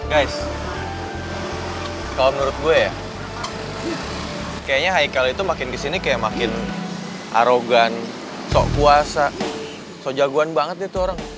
guys kalau menurut gue ya kayaknya haikal itu makin disini kayak makin arogan sok kuasa sok jagoan banget dia tuh orang